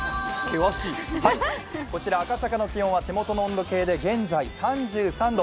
こちら赤坂の気温は手元の温度計で現在３３度。